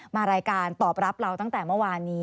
มารายการตอบรับเราตั้งแต่เมื่อวานนี้